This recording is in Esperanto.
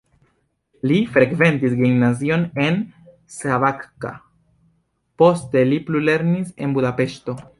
Li frekventis gimnazion en Szabadka, poste li plulernis en Budapeŝto.